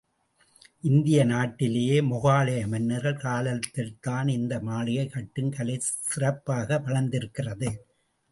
இந்திய நாட்டிலேயே மொகலாய மன்னர்கள் காலத்தில்தான் இந்த மாளிகை கட்டும் கலை சிறப்பாக வளர்ந்திருக்கிறது.